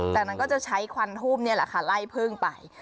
จากนั้นก็จะใช้ควันทูบนี่แหละค่ะไล่พึ่งไป